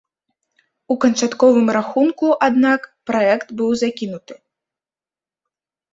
У канчатковым рахунку, аднак, праект быў закінуты.